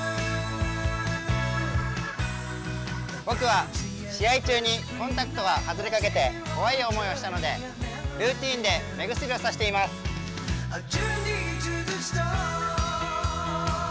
僕は試合中にコンタクトが外れかけて怖い思いをしたのでルーチンで目薬を差しています。